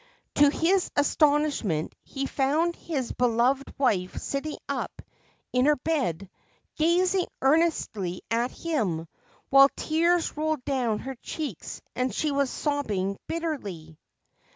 To his astonishment, he found his beloved wife sitting up in her bed, gazing earnestly at him, while tears rolled down her cheeks and she was sobbing bitterly.